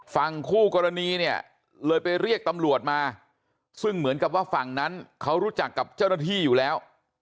ฝั่งคู่กรณีเนี่ยเลยไปเรียกตำรวจมาซึ่งเหมือนกับว่าฝั่งนั้นเขารู้จักกับเจ้าหน้าที่อยู่แล้ว